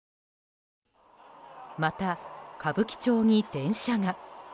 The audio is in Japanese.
また歌舞伎町に電車が。